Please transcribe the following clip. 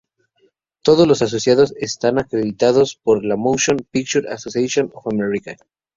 Todos los asociados están acreditados por la Motion Picture Association of America.